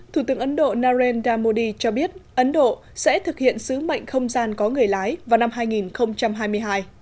thủ tướng ấn độ narendra modi cho biết ấn độ sẽ thực hiện sứ mệnh không gian có người lái vào năm hai nghìn hai mươi hai